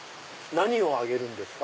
何をあげるんですか？